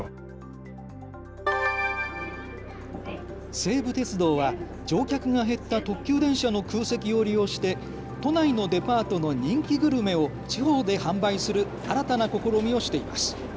西武鉄道は乗客が減った特急電車の空席を利用して都内のデパートの人気グルメを地方で販売する新たな試みをしています。